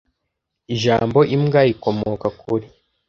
Ijambo imbwa rikomoka kuri